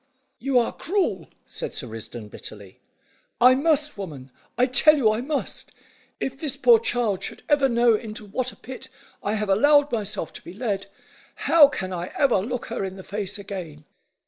"You are cruel," said Sir Risdon bitterly. "I must, woman; I tell you I must. If this poor child should ever know into what a pit I have allowed myself to be led, how can I ever look her in the face again?"